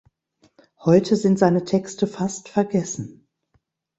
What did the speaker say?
Heute sind seine Texte fast vergessen.